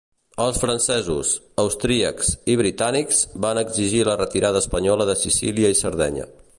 Els francesos, austríacs i britànics van exigir la retirada espanyola de Sicília i Sardenya.